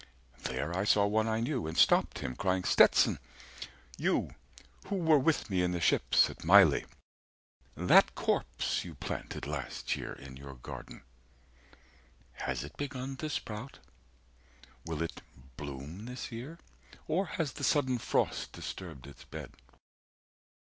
There I saw one I knew, and stopped him, crying "Stetson! You who were with me in the ships at Mylae! 70 That corpse you planted last year in your garden, Has it begun to sprout? Will it bloom this year? Or has the sudden frost disturbed its bed?